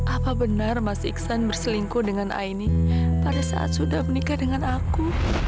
apa benar mas iksan berselingkuh dengan aini pada saat sudah menikah dengan aku